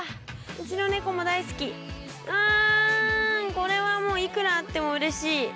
これはいくらあってもうれしい。